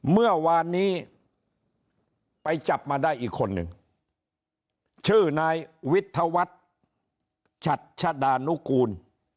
เมื่อวานนี้ไปจับมาได้อีกคนหนึ่งชื่อนายวิทยาวัฒน์ชัชดานุกูล